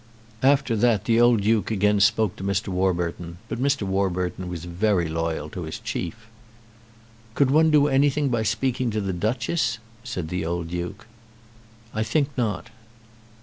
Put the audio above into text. After that the old Duke again spoke to Mr. Warburton, but Mr. Warburton was very loyal to his chief. "Could one do anything by speaking to the Duchess?" said the old Duke. "I think not."